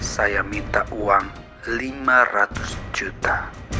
saya minta uang lima ratus juta